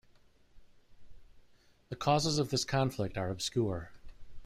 The causes of this conflict are obscure.